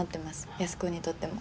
安子にとっても。